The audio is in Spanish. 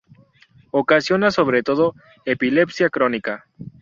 Ocasiona sobre todo epilepsia crónica.